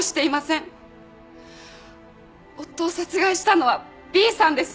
夫を殺害したのはＢさんです。